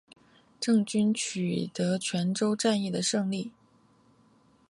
郑军取得泉州战役的胜利。